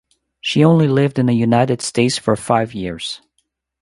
She only lived in the United States for five years.